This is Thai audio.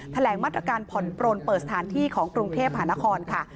แถลงมาตรการผ่อนปลนเปิดสถานที่ของกรุงเทพหานครค่ะ